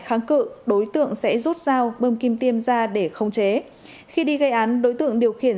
kháng cự đối tượng sẽ rút dao bơm kim tiêm ra để khống chế khi đi gây án đối tượng điều khiển